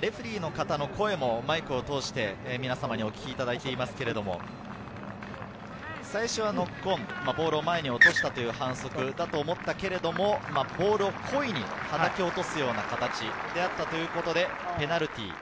レフェリーの方の声もマイクを通して皆様にお聞きいただいていますけれど、最初はノックオン、ボールを前に落としたという反則だと思ったけれども、ボールを故意に叩き落とすような形だったということで、ペナルティー。